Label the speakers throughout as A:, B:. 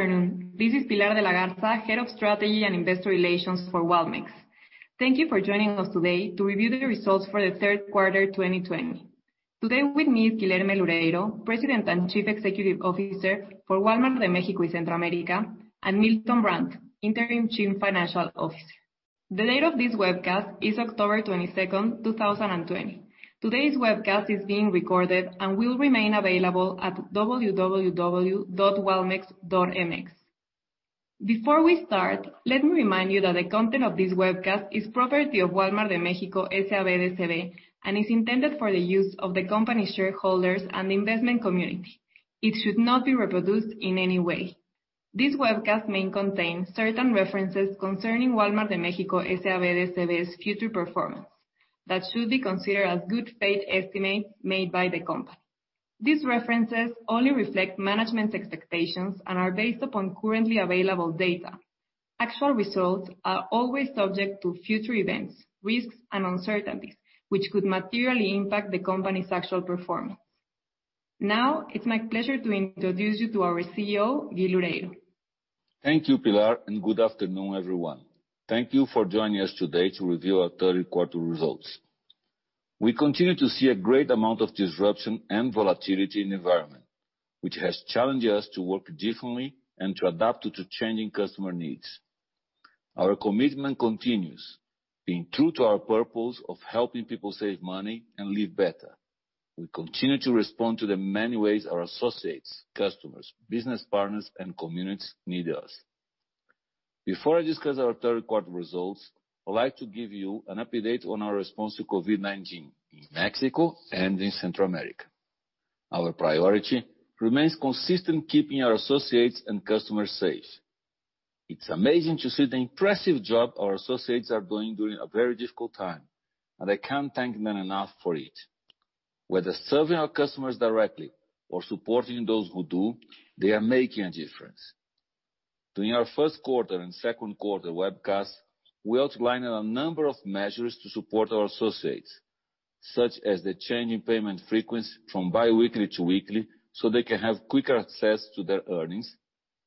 A: Good afternoon. This is Pilar de la Garza, Head of Strategy and Investor Relations for Walmex. Thank you for joining us today to review the results for the third quarter 2020. Today with me is Guilherme Loureiro, President and Chief Executive Officer for Wal-Mart de México y Centroamérica, and Milton Brandt, Interim Chief Financial Officer. The date of this webcast is October 22nd, 2020. Today's webcast is being recorded and will remain available at www.walmex.mx. Before we start, let me remind you that the content of this webcast is property of Wal-Mart de México, S.A.B. de C.V., and is intended for the use of the company shareholders and investment community. It should not be reproduced in any way. This webcast may contain certain references concerning Wal-Mart de México, S.A.B. de C.V.'s future performance that should be considered as good faith estimates made by the company. These references only reflect management's expectations and are based upon currently available data. Actual results are always subject to future events, risks, and uncertainties, which could materially impact the company's actual performance. Now, it's my pleasure to introduce you to our CEO, Gui Loureiro.
B: Thank you, Pilar. Good afternoon, everyone. Thank you for joining us today to review our third quarter results. We continue to see a great amount of disruption and volatility in the environment, which has challenged us to work differently and to adapt to changing customer needs. Our commitment continues, being true to our purpose of helping people save money and live better. We continue to respond to the many ways our associates, customers, business partners, and communities need us. Before I discuss our third quarter results, I'd like to give you an update on our response to COVID-19 in Mexico and in Central America. Our priority remains consistent keeping our associates and customers safe. It's amazing to see the impressive job our associates are doing during a very difficult time, and I can't thank them enough for it. Whether serving our customers directly or supporting those who do, they are making a difference. During our first quarter and second quarter webcasts, we outlined a number of measures to support our associates, such as the change in payment frequency from bi-weekly to weekly so they can have quicker access to their earnings,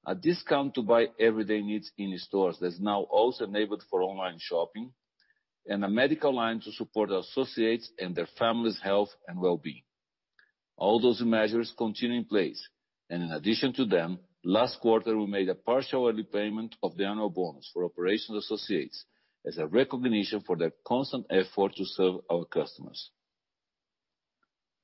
B: a discount to buy everyday needs in stores that is now also enabled for online shopping, and a medical line to support our associates and their families' health and wellbeing. All those measures continue in place. In addition to them, last quarter, we made a partial early payment of the annual bonus for operational associates as a recognition for their constant effort to serve our customers.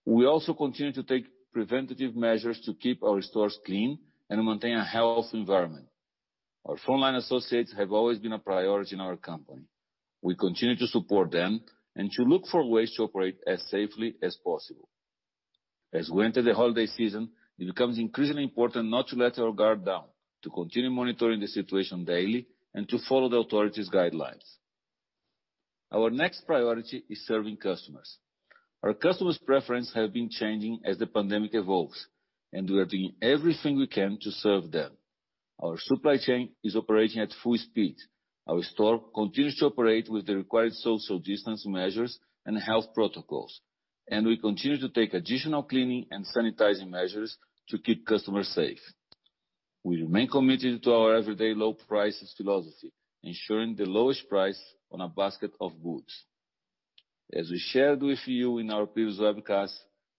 B: We also continue to take preventative measures to keep our stores clean and maintain a healthy environment. Our frontline associates have always been a priority in our company. We continue to support them and to look for ways to operate as safely as possible. As we enter the holiday season, it becomes increasingly important not to let our guard down, to continue monitoring the situation daily, and to follow the authorities' guidelines. Our next priority is serving customers. Our customers' preference have been changing as the pandemic evolves, and we are doing everything we can to serve them. Our supply chain is operating at full speed. Our store continues to operate with the required social distance measures and health protocols, and we continue to take additional cleaning and sanitizing measures to keep customers safe. We remain committed to our Every Day Low Price philosophy, ensuring the lowest price on a basket of goods. As we shared with you in our previous webcasts,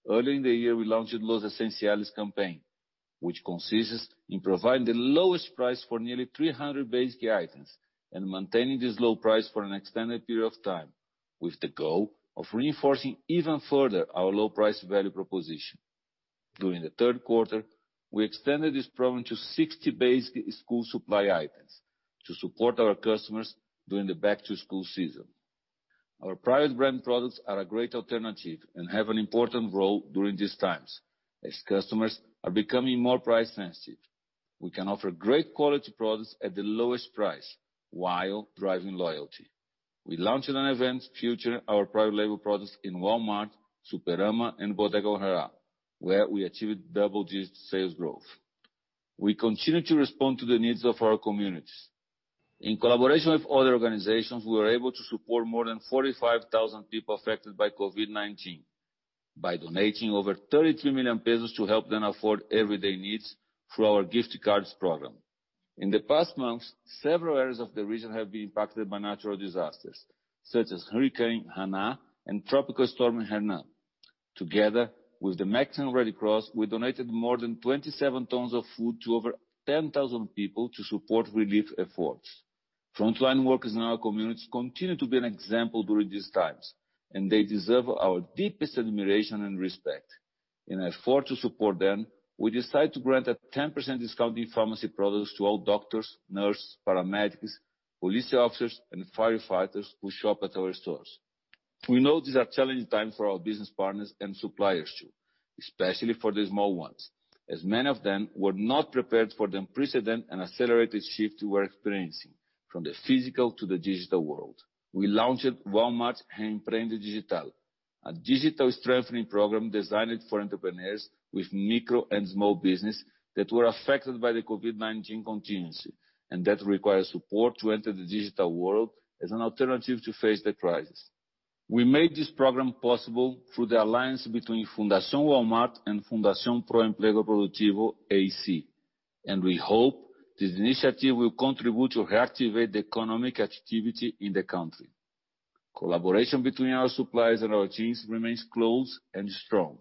B: earlier in the year, we launched Los Esenciales campaign, which consists in providing the lowest price for nearly 300 basic items and maintaining this low price for an extended period of time with the goal of reinforcing even further our low price value proposition. During the third quarter, we extended this program to 60 basic school supply items to support our customers during the back to school season. Our private brand products are a great alternative and have an important role during these times, as customers are becoming more price sensitive. We can offer great quality products at the lowest price while driving loyalty. We launched an event featuring our private label products in Walmart, Superama, and Bodega Aurrera, where we achieved double-digit sales growth. We continue to respond to the needs of our communities. In collaboration with other organizations, we were able to support more than 45,000 people affected by COVID-19 by donating over 33 million pesos to help them afford everyday needs through our gift cards program. In the past months, several areas of the region have been impacted by natural disasters, such as Hurricane Hanna and Tropical Storm Hernán. Together with the Mexican Red Cross, we donated more than 27 tons of food to over 10,000 people to support relief efforts. Frontline workers in our communities continue to be an example during these times, and they deserve our deepest admiration and respect. In an effort to support them, we decided to grant a 10% discount in pharmacy products to all doctors, nurses, paramedics, police officers, and firefighters who shop at our stores. We know these are challenging times for our business partners and suppliers, too, especially for the small ones, as many of them were not prepared for the unprecedented and accelerated shift we're experiencing from the physical to the digital world. We launched Reemprende Digital, a digital strengthening program designed for entrepreneurs with micro and small business that were affected by the COVID-19 contingency, and that require support to enter the digital world as an alternative to face the crisis. We made this program possible through the alliance between Fundación Walmart and Fundación Pro Empleo Productivo, A.C., and we hope this initiative will contribute to reactivate the economic activity in the country. Collaboration between our suppliers and our teams remains close and strong.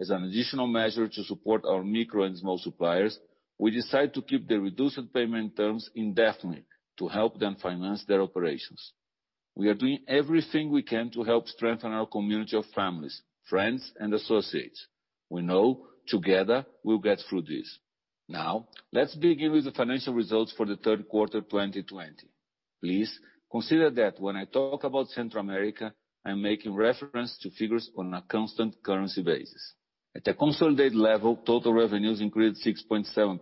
B: As an additional measure to support our micro and small suppliers, we decide to keep the reduced payment terms indefinitely to help them finance their operations. We are doing everything we can to help strengthen our community of families, friends, and associates. We know together we'll get through this. Let's begin with the financial results for the Q3 2020. Please consider that when I talk about Central America, I'm making reference to figures on a constant currency basis. At a consolidated level, total revenues increased 6.7%.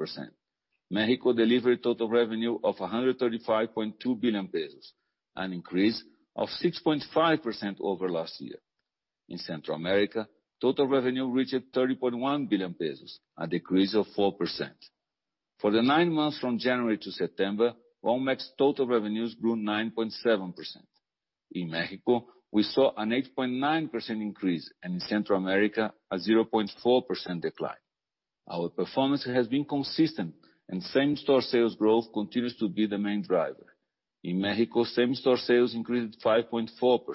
B: Mexico delivered total revenue of 135.2 billion pesos, an increase of 6.5% over last year. In Central America, total revenue reached 30.1 billion pesos, a decrease of 4%. For the nine months from January to September, Walmex total revenues grew 9.7%. In Mexico, we saw an 8.9% increase, and in Central America, a 0.4% decline. Our performance has been consistent and same-store sales growth continues to be the main driver. In Mexico, same-store sales increased 5.4%.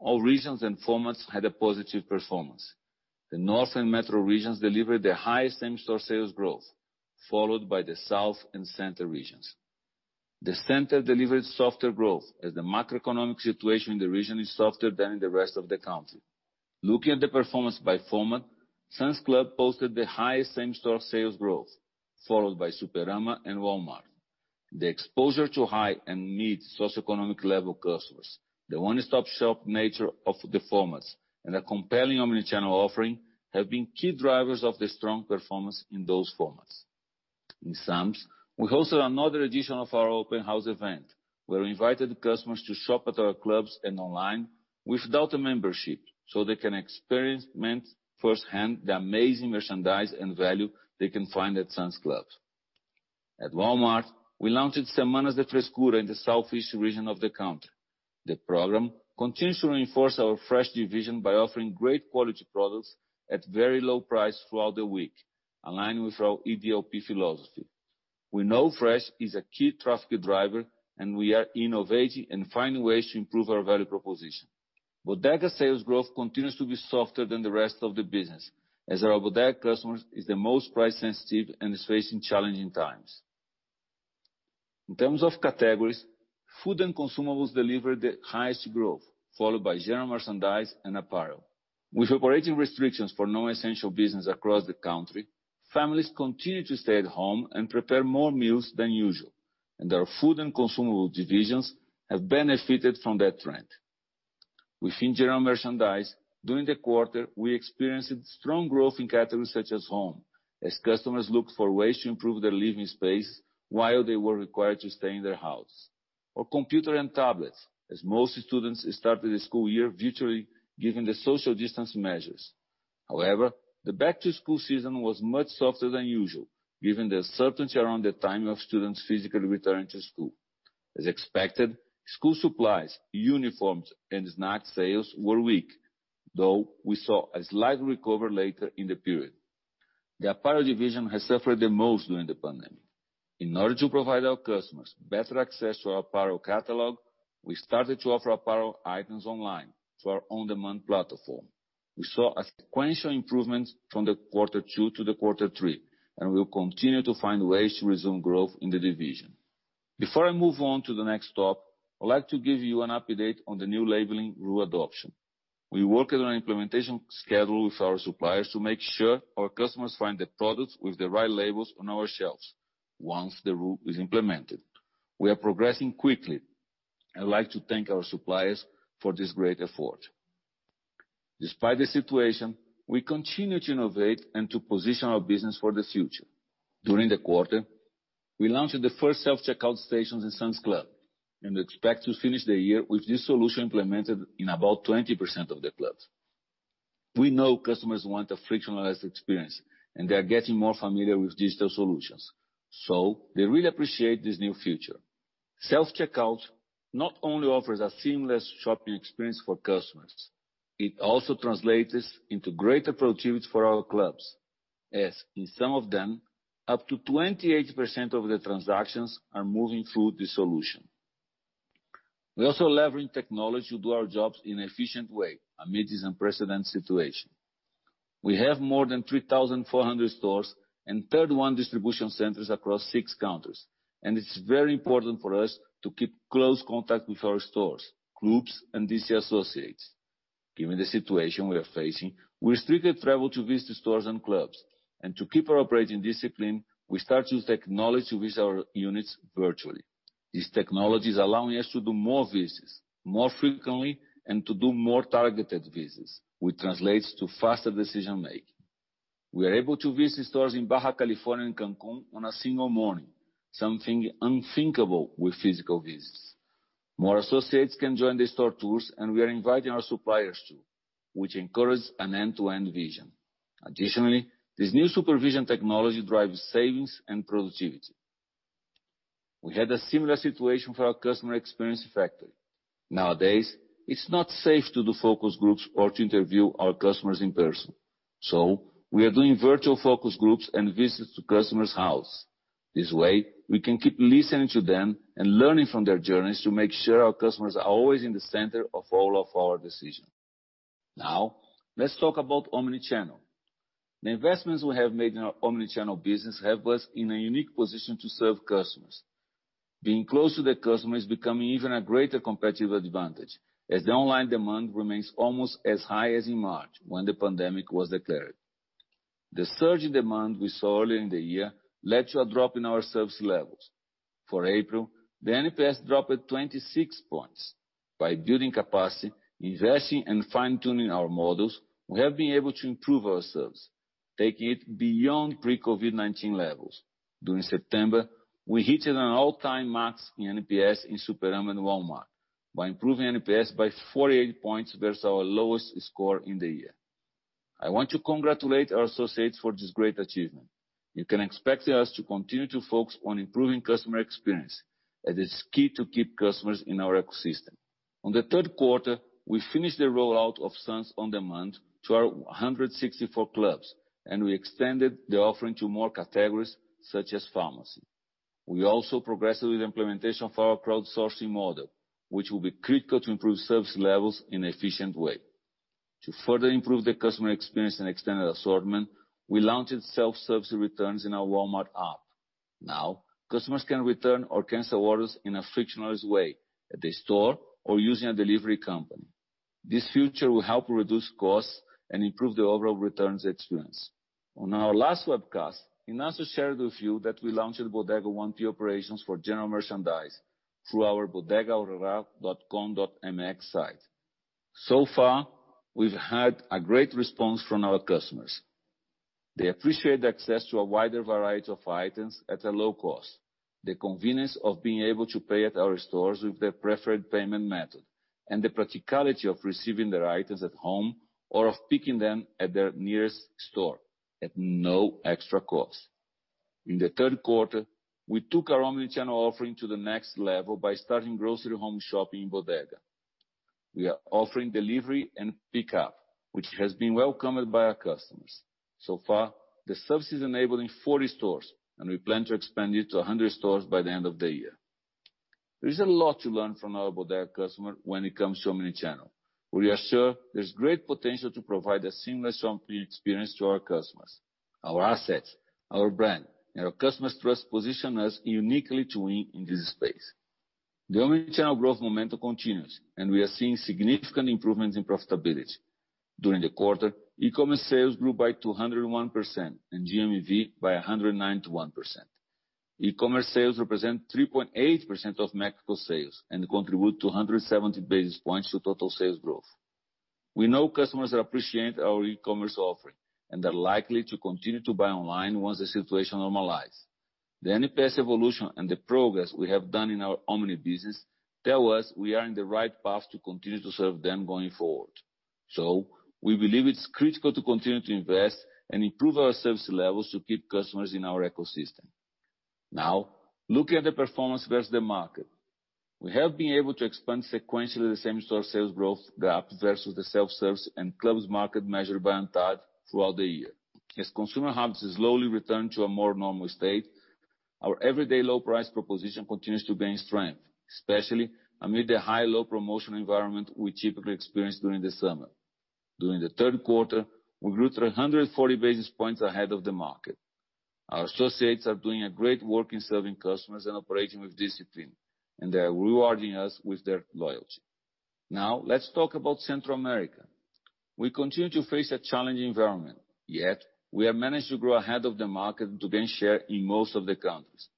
B: All regions and formats had a positive performance. The north and metro regions delivered their highest same-store sales growth, followed by the south and center regions. The center delivered softer growth as the macroeconomic situation in the region is softer than in the rest of the country. Looking at the performance by format, Sam's Club posted the highest same-store sales growth, followed by Superama and Walmart. The exposure to high and mid socioeconomic level customers, the one-stop-shop nature of the formats, and a compelling omni-channel offering have been key drivers of the strong performance in those formats. In Sam's, we hosted another edition of our open house event, where we invited customers to shop at our clubs and online without a membership, so they can experience firsthand the amazing merchandise and value they can find at Sam's Club. At Walmart, we launched Semanas de Frescura in the southeast region of the country. The program continues to reinforce our fresh division by offering great quality products at very low price throughout the week, aligned with our EDLP philosophy. We know fresh is a key traffic driver, and we are innovating and finding ways to improve our value proposition. Bodega sales growth continues to be softer than the rest of the business, as our Bodega customers is the most price sensitive and is facing challenging times. In terms of categories, food and consumables delivered the highest growth, followed by general merchandise and apparel. With operating restrictions for non-essential business across the country, families continue to stay at home and prepare more meals than usual, and our food and consumable divisions have benefited from that trend. Within general merchandise, during the quarter, we experienced strong growth in categories such as home, as customers looked for ways to improve their living space while they were required to stay in their house. Computer and tablets, as most students started the school year virtually given the social distance measures. However, the back-to-school season was much softer than usual, given the uncertainty around the time of students physically returning to school. As expected, school supplies, uniforms, and snack sales were weak, though we saw a slight recovery later in the period. The apparel division has suffered the most during the pandemic. In order to provide our customers better access to our apparel catalog, we started to offer apparel items online through our on-demand platform. We saw a sequential improvement from the quarter two to the quarter three. We will continue to find ways to resume growth in the division. Before I move on to the next topic, I'd like to give you an update on the new labeling rule adoption. We are working on an implementation schedule with our suppliers to make sure our customers find the products with the right labels on our shelves once the rule is implemented. We are progressing quickly. I'd like to thank our suppliers for this great effort. Despite the situation, we continue to innovate and to position our business for the future. During the quarter, we launched the first self-checkout stations in Sam's Club and expect to finish the year with this solution implemented in about 20% of the clubs. We know customers want a frictionless experience, and they are getting more familiar with digital solutions, so they really appreciate this new feature. Self-checkout not only offers a seamless shopping experience for customers, it also translates into greater productivity for our clubs as in some of them, up to 28% of the transactions are moving through this solution. We also leverage technology to do our jobs in an efficient way amid this unprecedented situation. We have more than 3,400 stores and 31 distribution centers across six countries, and it's very important for us to keep close contact with our stores, clubs, and DC associates. Given the situation we are facing, we restricted travel to visit stores and clubs, and to keep our operating discipline, we start to use technology to visit our units virtually. This technology is allowing us to do more visits more frequently and to do more targeted visits, which translates to faster decision making. We are able to visit stores in Baja California and Cancun on a single morning, something unthinkable with physical visits. More associates can join the store tours, and we are inviting our suppliers too, which encourages an end-to-end vision. Additionally, this new supervision technology drives savings and productivity. We had a similar situation for our customer experience factory. Nowadays, it's not safe to do focus groups or to interview our customers in person. We are doing virtual focus groups and visits to customers' house. This way, we can keep listening to them and learning from their journeys to make sure our customers are always in the center of all of our decisions. Let's talk about omni-channel. The investments we have made in our omni-channel business have us in a unique position to serve customers. Being close to the customer is becoming even a greater competitive advantage, as the online demand remains almost as high as in March, when the pandemic was declared. The surge in demand we saw earlier in the year led to a drop in our service levels. For April, the NPS dropped to 26 points. By building capacity, investing, and fine-tuning our models, we have been able to improve our service, taking it beyond pre-COVID-19 levels. During September, we hit an all-time max in NPS in Superama and Walmart, by improving NPS by 48 points versus our lowest score in the year. I want to congratulate our associates for this great achievement. You can expect us to continue to focus on improving customer experience, as it's key to keep customers in our ecosystem. On the third quarter, we finished the rollout of Sam's on-demand to our 164 clubs, and we extended the offering to more categories such as pharmacy. We also progressed with the implementation of our crowdsourcing model, which will be critical to improve service levels in an efficient way. To further improve the customer experience and extend the assortment, we launched self-service returns in our Walmart app. Now, customers can return or cancel orders in a frictionless way at the store or using a delivery company. This feature will help reduce costs and improve the overall returns experience. On our last webcast, Ignacio shared with you that we launched Bodega 1P operations for general merchandise through our bodegaaurrera.com.mx site. So far, we've had a great response from our customers. They appreciate the access to a wider variety of items at a low cost, the convenience of being able to pay at our stores with their preferred payment method, and the practicality of receiving their items at home or of picking them at their nearest store at no extra cost. In the third quarter, we took our omni-channel offering to the next level by starting grocery home shopping in Bodega. We are offering delivery and pickup, which has been welcomed by our customers. So far, the service is enabled in 40 stores, and we plan to expand it to 100 stores by the end of the year. There is a lot to learn from our Bodega customer when it comes to omni-channel. We are sure there's great potential to provide a seamless shopping experience to our customers. Our assets, our brand, and our customers' trust position us uniquely to win in this space. The omni-channel growth momentum continues, and we are seeing significant improvements in profitability. During the quarter, e-commerce sales grew by 201%, and GMV by 191%. E-commerce sales represent 3.8% of Mexico sales and contribute 270 basis points to total sales growth. We know customers appreciate our e-commerce offering and are likely to continue to buy online once the situation normalizes. The NPS evolution and the progress we have done in our omni business tell us we are in the right path to continue to serve them going forward. We believe it's critical to continue to invest and improve our service levels to keep customers in our ecosystem. Now, looking at the performance versus the market. We have been able to expand sequentially the same-store sales growth gap versus the self-service and clubs market measured by ANTAD throughout the year. As consumer habits slowly return to a more normal state, our Every Day Low Price proposition continues to gain strength, especially amid the high-low promotional environment we typically experience during the summer. During the third quarter, we grew 340 basis points ahead of the market. Our associates are doing a great work in serving customers and operating with discipline, and they are rewarding us with their loyalty. Let's talk about Central America. We continue to face a challenging environment, yet we have managed to grow ahead of the market and to gain share in most of the countries.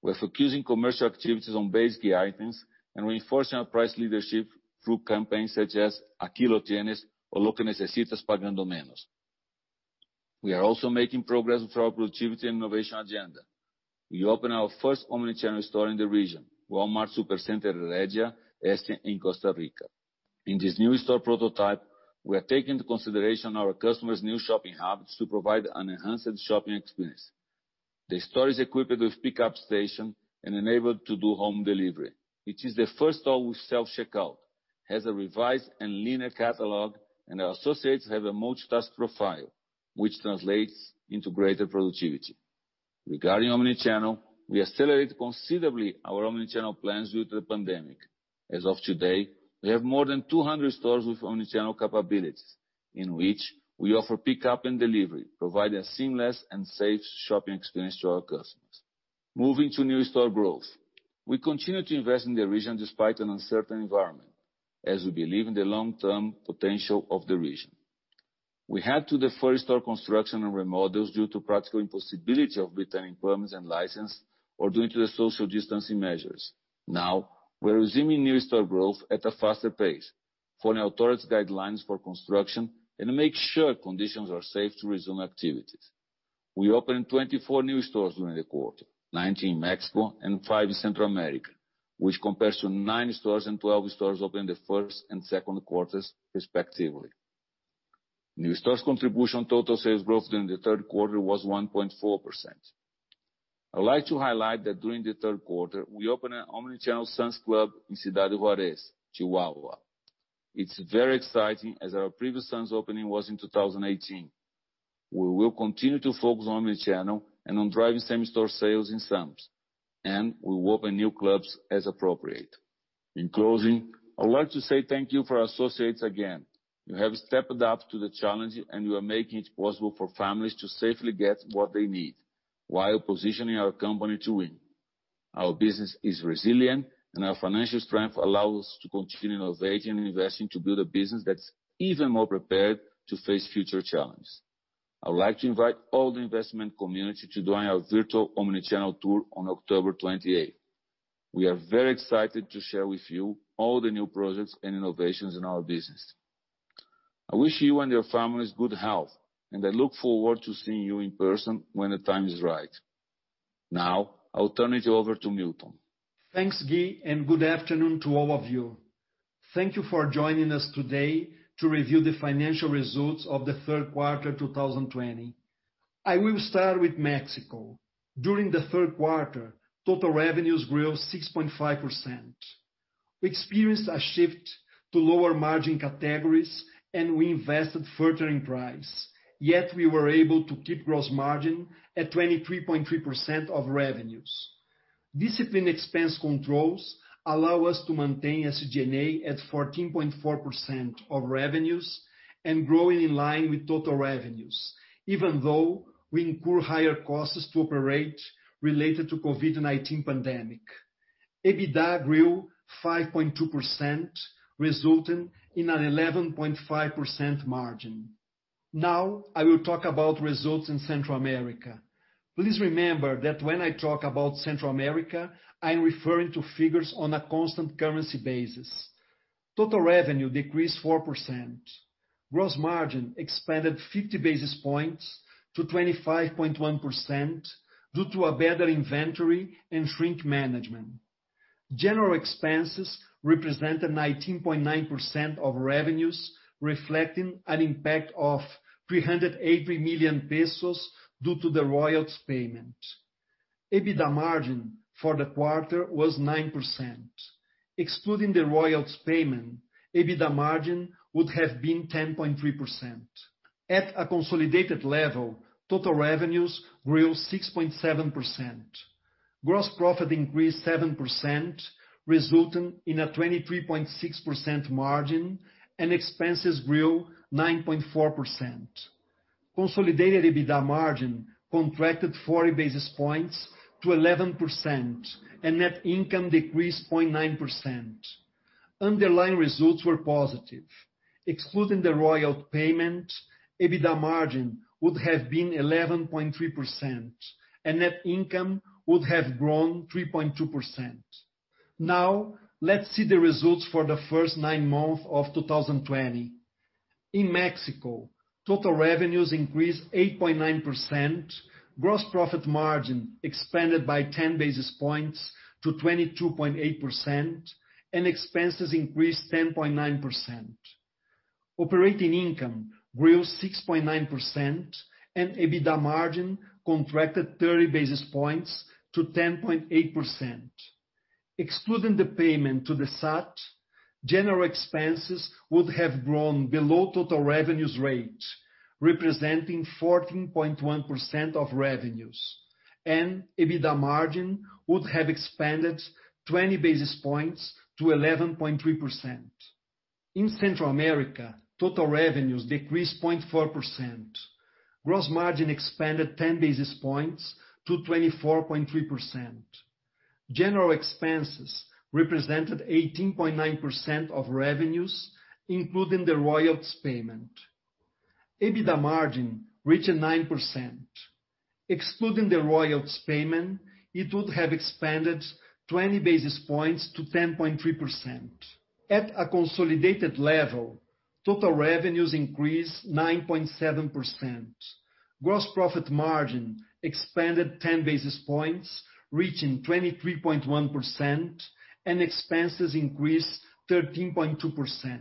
B: We're focusing commercial activities on base key items and reinforcing our price leadership through campaigns such as Aquí lo Tienes or Lo que Necesitas Pagando Menos. We are also making progress with our productivity and innovation agenda. We opened our first omni-channel store in the region, Walmart Supercenter Heredia Este in Costa Rica. In this new store prototype, we are taking into consideration our customers' new shopping habits to provide an enhanced shopping experience. The store is equipped with pickup station and enabled to do home delivery. It is the first store with self-checkout, has a revised and leaner catalog, and our associates have a multitask profile, which translates into greater productivity. Regarding omni-channel, we accelerated considerably our omni-channel plans due to the pandemic. As of today, we have more than 200 stores with omni-channel capabilities, in which we offer pickup and delivery, providing a seamless and safe shopping experience to our customers. Moving to new store growth. We continue to invest in the region despite an uncertain environment, as we believe in the long-term potential of the region. We had to defer store construction and remodels due to practical impossibility of returning permits and licenses or due to the social distancing measures. Now, we're resuming new store growth at a faster pace, following authorities' guidelines for construction and to make sure conditions are safe to resume activities. We opened 24 new stores during the quarter, 19 in Mexico and five in Central America, which compares to nine stores and 12 stores opened in the first and second quarters, respectively. New stores' contribution total sales growth during the third quarter was 1.4%. I would like to highlight that during the third quarter, we opened an omni-channel Sam's Club in Ciudad Juárez, Chihuahua. It's very exciting as our previous Sam's opening was in 2018. We will continue to focus on omni-channel and on driving same-store sales in Sam's. We will open new clubs as appropriate. In closing, I would like to say thank you for our associates again. You have stepped up to the challenge. You are making it possible for families to safely get what they need while positioning our company to win. Our business is resilient. Our financial strength allows us to continue innovating and investing to build a business that's even more prepared to face future challenges. I would like to invite all the investment community to join our virtual omni-channel tour on October 28th. We are very excited to share with you all the new projects and innovations in our business. I wish you and your families good health. I look forward to seeing you in person when the time is right. Now, I'll turn it over to Milton.
C: Thanks, Gui. Good afternoon to all of you. Thank you for joining us today to review the financial results of the third quarter 2020. I will start with Mexico. During the third quarter, total revenues grew 6.5%. We experienced a shift to lower margin categories, and we invested further in price. Yet we were able to keep gross margin at 23.3% of revenues. Discipline expense controls allow us to maintain SG&A at 14.4% of revenues and growing in line with total revenues, even though we incur higher costs to operate related to COVID-19 pandemic. EBITDA grew 5.2%, resulting in an 11.5% margin. I will talk about results in Central America. Please remember that when I talk about Central America, I'm referring to figures on a constant currency basis. Total revenue decreased 4%. Gross margin expanded 50 basis points to 25.1% due to a better inventory and shrink management. General expenses represented 19.9% of revenues, reflecting an impact of 380 million pesos due to the royalties payment. EBITDA margin for the quarter was 9%. Excluding the royalties payment, EBITDA margin would have been 10.3%. At a consolidated level, total revenues grew 6.7%. Gross profit increased 7%, resulting in a 23.6% margin, and expenses grew 9.4%. Consolidated EBITDA margin contracted 40 basis points to 11%, and net income decreased 0.9%. Underlying results were positive. Excluding the royalty payment, EBITDA margin would have been 11.3%, and net income would have grown 3.2%. Now, let's see the results for the first nine months of 2020. In Mexico, total revenues increased 8.9%, gross profit margin expanded by 10 basis points to 22.8%, and expenses increased 10.9%. Operating income grew 6.9%, and EBITDA margin contracted 30 basis points to 10.8%. Excluding the payment to the SAT, general expenses would have grown below total revenues rate, representing 14.1% of revenues, and EBITDA margin would have expanded 20 basis points to 11.3%. In Central America, total revenues decreased 0.4%. Gross margin expanded 10 basis points to 24.3%. General expenses represented 18.9% of revenues, including the royalties payment. EBITDA margin reached 9%. Excluding the royalties payment, it would have expanded 20 basis points to 10.3%. At a consolidated level, total revenues increased 9.7%. Gross profit margin expanded 10 basis points, reaching 23.1%. Expenses increased 13.2%.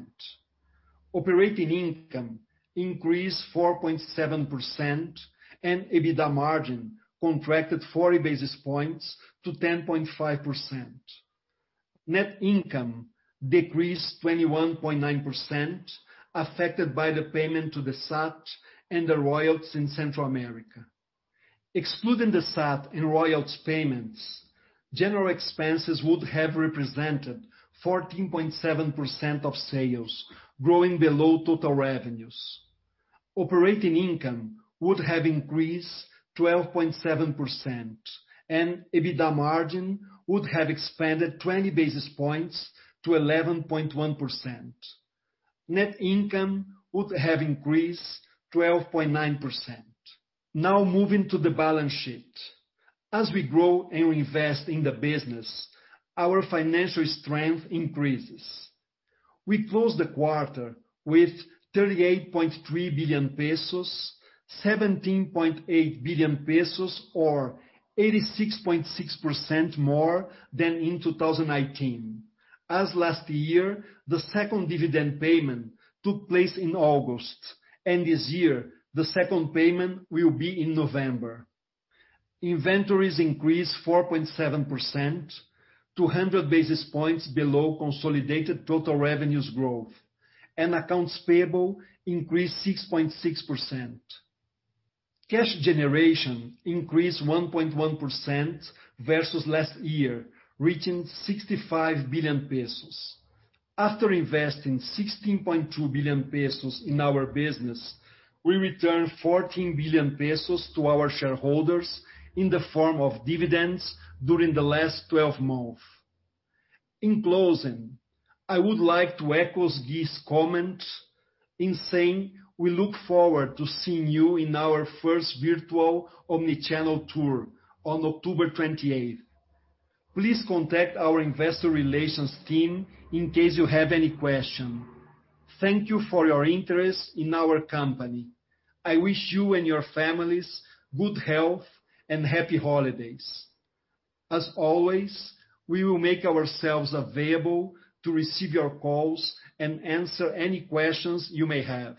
C: Operating income increased 4.7%. EBITDA margin contracted 40 basis points to 10.5%. Net income decreased 21.9%, affected by the payment to the SAT and the royalties in Central America. Excluding the SAT and royalties payments, general expenses would have represented 14.7% of sales, growing below total revenues. Operating income would have increased 12.7%. EBITDA margin would have expanded 20 basis points to 11.1%. Net income would have increased 12.9%. Moving to the balance sheet. As we grow and invest in the business, our financial strength increases. We closed the quarter with 38.3 billion pesos, 17.8 billion pesos or 86.6% more than in 2019. As last year, the second dividend payment took place in August. This year, the second payment will be in November. Inventories increased 4.7%, 200 basis points below consolidated total revenues growth. Accounts payable increased 6.6%. Cash generation increased 1.1% versus last year, reaching 65 billion pesos. After investing 16.2 billion pesos in our business, we returned 14 billion pesos to our shareholders in the form of dividends during the last 12 months. In closing, I would like to echo Gui's comments in saying we look forward to seeing you in our first virtual omni-channel tour on October 28th. Please contact our investor relations team in case you have any questions. Thank you for your interest in our company. I wish you and your families good health and happy holidays. As always, we will make ourselves available to receive your calls and answer any questions you may have.